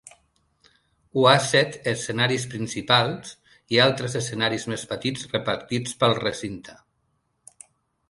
Ho ha set escenaris principals i altres escenaris més petits repartits pel recinte.